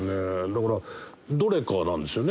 だからどれかなんですよね。